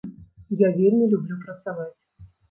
Я вельмі люблю працаваць.